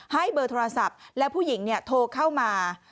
ให้เบอร์โทรศัพท์และผู้หญิงโทรเข้ามา